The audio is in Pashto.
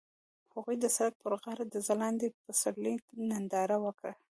هغوی د سړک پر غاړه د ځلانده پسرلی ننداره وکړه.